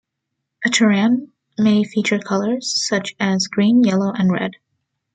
A toran may feature colours such as green, yellow and red.